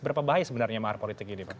berapa bahaya sebenarnya mahar politik ini pak